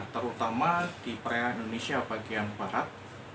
terutama di perairan indonesia bagian barat